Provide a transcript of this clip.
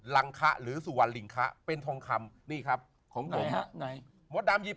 ลังคะหรือสุวรรณลิงคะเป็นทองคำนี่ครับของไหนฮะไหนมดดำหยิบ